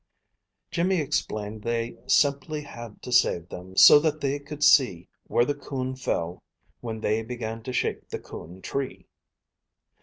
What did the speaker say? Jimmy explained they simply had to save them so that they could see where the coon fell when they began to shake the coon tree.